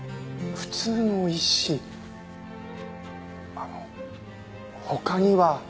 あの他には？